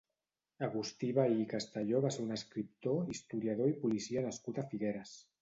Agustí Vehí i Castelló va ser un escriptor, historiador i policia nascut a Figueres.